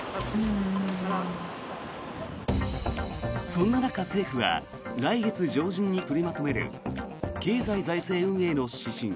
そんな中、政府は来月上旬に取りまとめる経済財政運営の指針